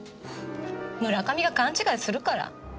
村上が勘違いするから。